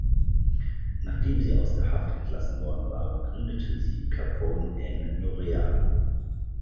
Nachdem sie aus der Haft entlassen worden waren, gründeten sie Capone-N-Noreaga.